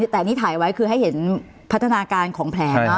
แต่อันนี้ถ่ายไว้คือให้เห็นพัฒนาการของแผล